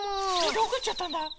どこいっちゃったんだろ？